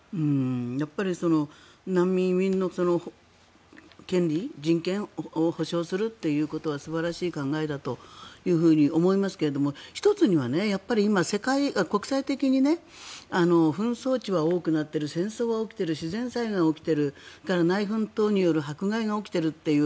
やっぱり難民の権利人権を保障するということは素晴らしい考えだというふうに思いますが１つには、今、国際的に紛争地は多くなっている戦争は起きている自然災害は起きているそれから内紛等による迫害が起きているという。